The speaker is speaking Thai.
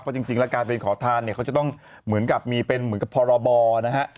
จริงแล้วการเป็นขอทานเนี่ยเขาจะต้องเหมือนกับมีเป็นเหมือนกับพรบนะฮะ